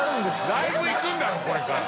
ライブ行くんだろこれから。）